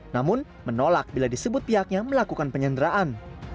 namun menolak bila disebut pihaknya melakukan penyanderaan